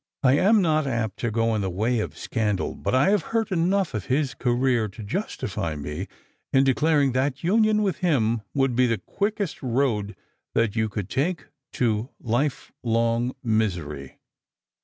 I am not apt to go in the way of scandal, but I have heard enough of his career to justify me Strangers and Filgrirm. 215 in declaring that union with him would be the quickest road that you could take to life long misery."